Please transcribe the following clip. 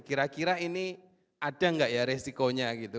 kira kira ini ada nggak ya resikonya gitu